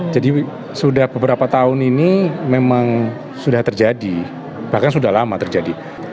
jadi sudah beberapa tahun ini memang sudah terjadi bahkan sudah lama terjadi